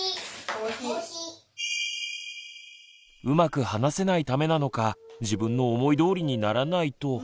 うまく話せないためなのか自分の思いどおりにならないと。